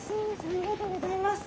ありがとうございます。